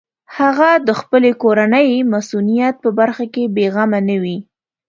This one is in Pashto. هغه د خپلې کورنۍ مصونیت په برخه کې بېغمه نه وي.